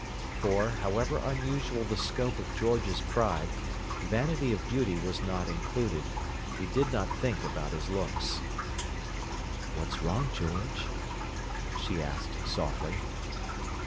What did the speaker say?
For, however unusual the scope of George's pride, vanity of beauty was not included; he did not think about his looks. "What's wrong, George?" she asked softly.